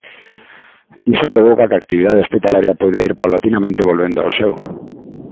Iso provoca que a actividade hospitalaria poida ir paulatinamente volvendo ao seu.